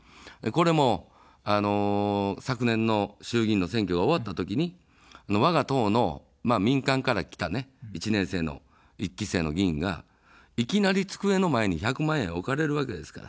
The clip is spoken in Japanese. これも、昨年の衆議院の選挙が終わったときに、わが党の民間から来た１年生の１期生の議員がいきなり机の前に１００万円置かれるわけですから。